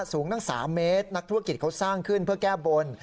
สูงตั้ง๓เมตรนักธุรกิจเขาสร้างขึ้นเพื่อแก้บน